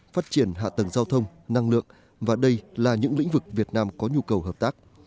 phát triển hạ tầng giao thông năng lượng và đây là những lĩnh vực việt nam có nhu cầu hợp tác